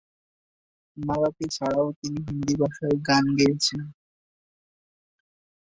মারাঠি ছাড়াও তিনি হিন্দি ভাষাতে গান গেয়েছেন।